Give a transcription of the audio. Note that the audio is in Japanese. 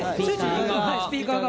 スピーカーが。